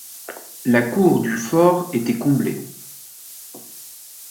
La cour du fort était comblée.